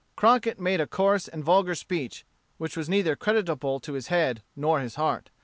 Crockett made a coarse and vulgar speech, which was neither creditable to his head nor his heart.